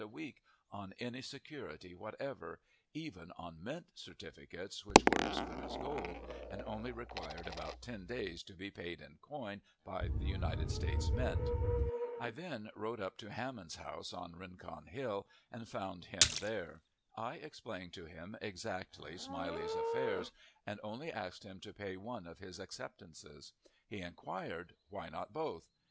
a week, on any security whatever even on mint certificates, which were as good as gold, and only required about ten days to be paid in coin by the United States Mint. I then rode up to Hammond's house, on Rincon Hill, and found him there. I explained to him exactly Smiley's affairs, and only asked him to pay one of his acceptances. He inquired, "Why not both?"